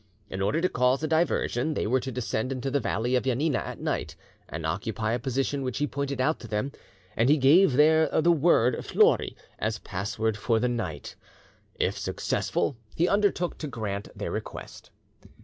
In order to cause a diversion, they were to descend into the valley of Janina at night, and occupy a position which he pointed out to them, and he gave their the word "flouri" as password for the night. If successful, he undertook to grant their request.